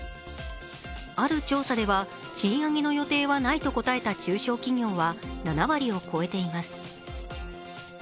ある調査では、賃上げの予定はないと答えた中小企業は７割を超えています。